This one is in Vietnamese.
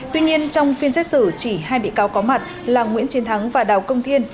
tuy nhiên trong phiên xét xử chỉ hai bị cáo có mặt là nguyễn chiến thắng và đào công thiên